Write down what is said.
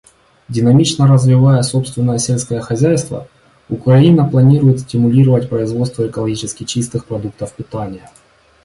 Динамично развивая собственное сельское хозяйство, Украина планирует стимулировать производство экологически чистых продуктов питания.